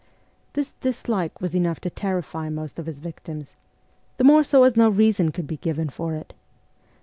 This dislike was enough to terrify most of his victims the more so as no reason could be given for it.